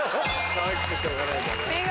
かわいくてしょうがないんだな。